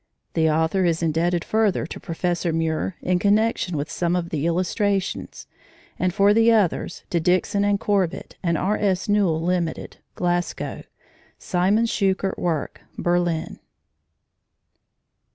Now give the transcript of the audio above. The author is indebted further to Professor Muir in connection with some of the illustrations, and for others to Dixon and Corbitt and R. S. Newall, Ltd., Glasgow; Siemens Schuckert Werke, Berlin.